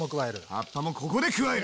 葉っぱもここで加える！